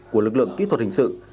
của lực lượng kỹ thuật hình sự